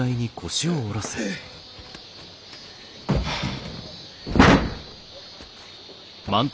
はあ。